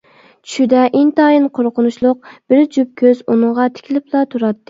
چۈشىدە ئىنتايىن قورقۇنچلۇق بىر جۈپ كۆز ئۇنىڭغا تىكىلىپلا تۇراتتى.